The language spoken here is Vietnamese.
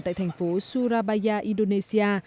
tại thành phố surabaya indonesia